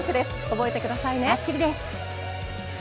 覚えてくださいね。